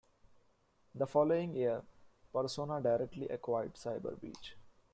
The following year, Persona directly acquired Cyberbeach.